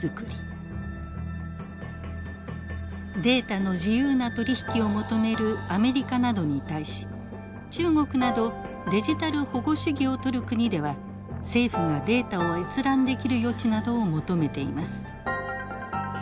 データの自由な取り引きを求めるアメリカなどに対し中国などデジタル保護主義をとる国では政府がデータを閲覧できる余地などを求めています。